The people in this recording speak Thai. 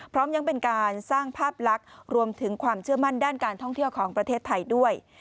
พร้อมยังเป็นการสร้างภาพลักษณ์รวมถึงความเชื่อมั่นด้านการท่องเที่ยวของประเทศไทยด้วย